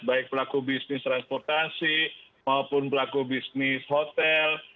baik pelaku bisnis transportasi maupun pelaku bisnis hotel